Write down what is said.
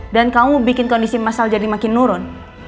dan kamu bikin kondisi mas al jadi makin nurun